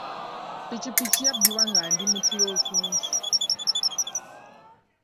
Pikipiki yabbibwa ng'ali mu ttulo otungi.